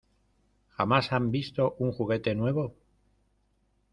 ¿ Jamás han visto un juguete nuevo?